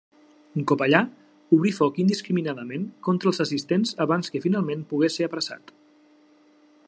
Un cop allà, obrí foc indiscriminadament contra els assistents abans que finalment pogués ser apressat.